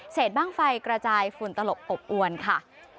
บ้างไฟกระจายฝุ่นตลบอบอวนค่ะ